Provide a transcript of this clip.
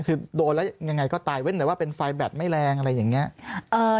คือโดนแล้วยังไงก็ตายเว้นแต่ว่าเป็นไฟแบบไม่แรงอะไรอย่างนี้